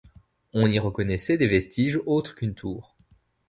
On y reconnaissait des vestiges autres qu'une tour.